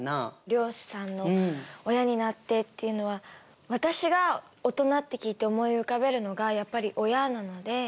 漁師さんの「親になって」っていうのは私がオトナって聞いて思い浮かべるのがやっぱり親なので。